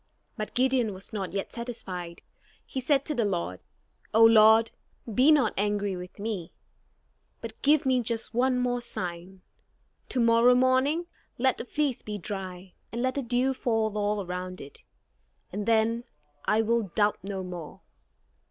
But Gideon was not yet satisfied. He said to the Lord: "O Lord, be not angry with me; but give me just one more sign. To morrow morning let the fleece be dry, and let the dew fall all around it, and then I will doubt no more."